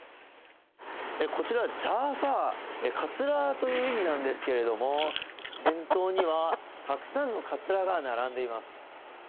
こちら、ジャーファー、かつらという意味なんですけれども、店頭にはたくさんのかつらが並んでいます。